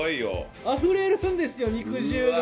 あふれるんですよ、肉汁が。